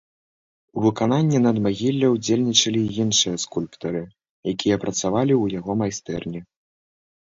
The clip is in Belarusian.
У выкананні надмагілля ўдзельнічалі і іншыя скульптары, якія працавалі ў яго майстэрні.